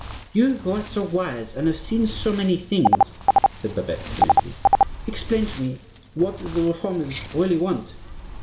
"You who are so wise and have seen so many things," said Babette, timidly, "explain to me what the Reformers really want."